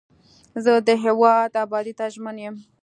زه د هیواد ابادۍ ته ژمن یم.